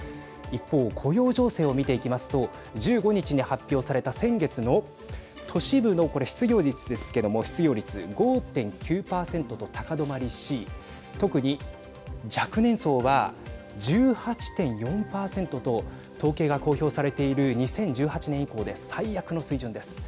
一方、雇用情勢を見ていきますと１５日に発表された先月の都市部のこれ、失業率ですけども失業率５．９％と高止まりし特に若年層は１８．４％と統計が公表されている２０１８年以降で最悪の水準です。